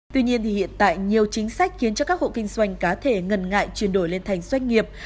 tuy nhiên hiện tại nhiều chính sách khiến cho các hộ kinh doanh cá thể ngần ngại chuyển đổi lên thành doanh nghiệp